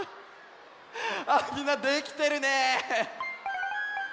あっみんなできてるね！